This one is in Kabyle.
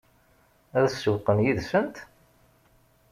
Ad sewweqen yid-sent?